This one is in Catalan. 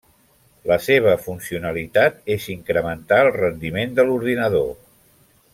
La seva funcionalitat és incrementar el rendiment de l’ordinador.